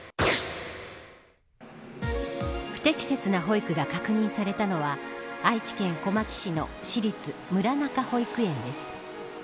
不適切な保育が確認されたのは愛知県小牧市の市立村中保育園です。